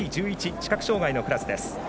視覚障がいのクラスです。